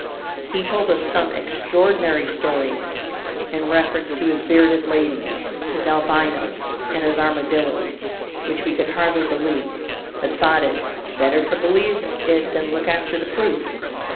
He told us some extraordinary stories in reference to his bearded ladies, his Albinos, and his Armadillos, which we could hardly believe, but thought it "better to believe it than look after the proof'."